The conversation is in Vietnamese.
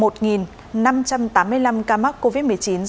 một mươi một năm trăm tám mươi năm ca mắc covid một mươi chín